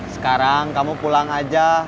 sekarang kamu pulang aja